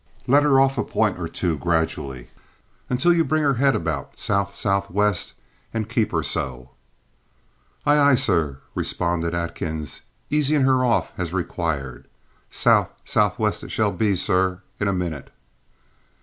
"Let her off a point or two gradually until you bring her head about sou' sou' west, and keep her so." "Aye, aye, sir," responded Atkins, easing her off as required. "Sou' sou' west it shall be, sir, in a minute."